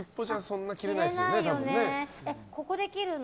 ここで切るの？